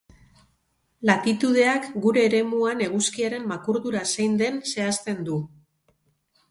Latitudeak gure eremuan eguzkiaren makurdura zein den zehazten du.